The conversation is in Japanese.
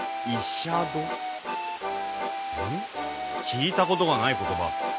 聞いたことがない言葉。